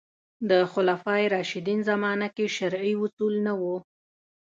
د خلفای راشدین زمانه کې شرعي اصل نه و